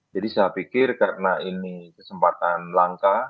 saya pikir karena ini kesempatan langka